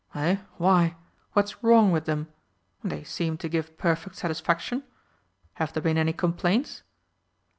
"Eh, why, what's wrong with them? They seemed to give perfect satisfaction. Have there been any complaints?"